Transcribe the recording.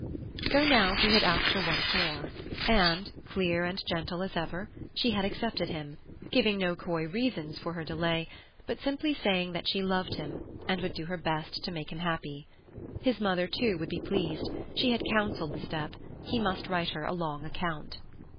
So now he had asked her once more, and, clear and gentle as ever, she had accepted him, giving no coy reasons for her delay, but simply saying that she loved him and would do her best to make him happy. His mother, too, would be pleased; she had counselled the step; he must write her a long account.